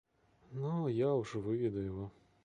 Но я уж выведу его.